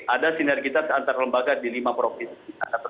ada sinergitas antar lembaga di lima provinsi